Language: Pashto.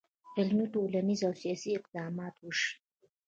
علمي، ټولنیز، او سیاسي اقدامات وشي.